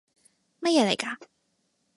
乜嘢嚟㗎？